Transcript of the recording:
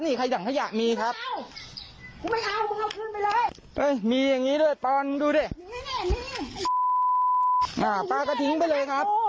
นี่ใครถังขยะมีครับไม่เอาไม่เอาพอเอาคลืนไปเลย